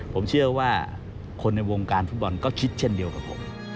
ผมเชื่อว่าคนในวงการฟุตบอลก็คิดเช่นเดียวกับผม